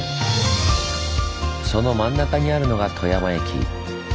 その真ん中にあるのが富山駅。